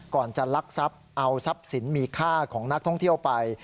ก่อนจะลักทรัพย์เอาทรัพย์สินมีค่าของนักท่องเที่ยวไป